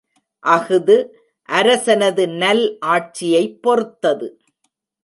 அஃது அரசனது நல் ஆட்சியைப் பொறுத்தது.